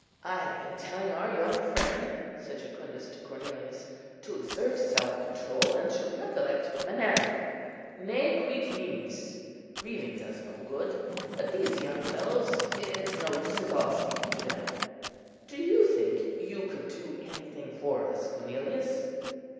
"I have been telling our young friend," said Jucundus to Cornelius, "to exert self control, and to recollect Menander, 'Ne quid nimis.' Grieving does no good; but these young fellows, it's no use at all speaking to them. Do you think you could do anything for us, Cornelius?"